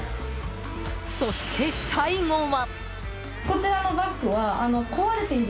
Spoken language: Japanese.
そして最後は。